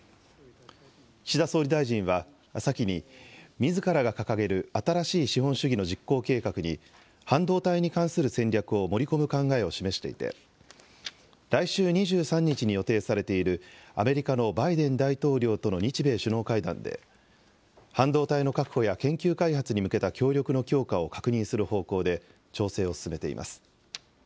岸田総理大臣は先に、みずからが掲げる新しい資本主義の実行計画に半導体に関する戦略を盛り込む考えを示していて来週２３日に予定されているアメリカのバイデン大統領との日米首脳会談で半導体の確保や研究開発に向けた協力の強化を確認する方向で調整を進めています。